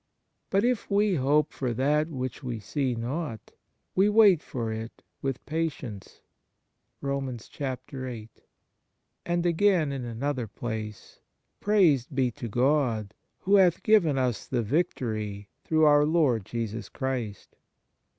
But if we hope for that which we see not, we wait for it with patience." 1 And again in another place: " Praise be to God, who hath given us the victory through our Lord Jesus Christ."